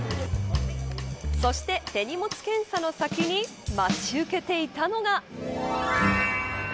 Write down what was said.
そして、手荷物検査の先に待ち受けていたのが。